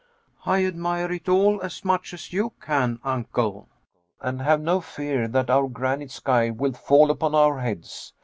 "I admire it all as much as you can, Uncle, and have no fear that our granite sky will fall upon our heads.